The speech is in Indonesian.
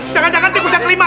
jangan jangan tigus yang kelima